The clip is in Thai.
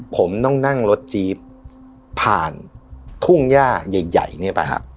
ผมต้องนั่งรถจีบผ่านทุ่งหญ้าใหญ่ไปครับ